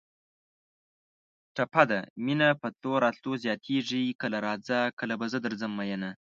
ټپه ده: مینه په تلو راتلو زیاتېږي کله راځه کله به زه درځم مینه